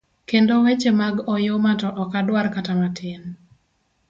Kendo weche mag oyuma to ok adwar kata matin.